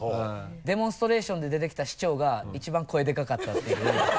デモンストレーションで出てきた市長が一番声でかかったっていう。